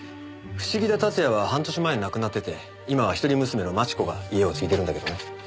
伏木田辰也は半年前に亡くなってて今は一人娘の真智子が家を継いでるんだけどね。